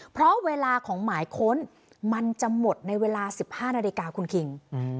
เพราะเวลาของหมายค้นมันจะหมดในเวลา๑๕นาฬิกาคุณคิง